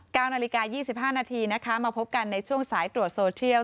๙นาฬิกา๒๕นาทีนะคะมาพบกันในช่วงสายตรวจโซเทียล